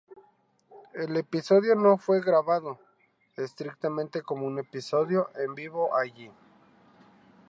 El episodio no fue grabado estrictamente como un episodio en vivo allí.